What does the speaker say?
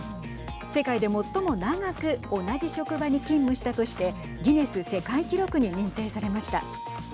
世界で最も長く同じ職場に勤務したとしてギネス世界記録に認定されました。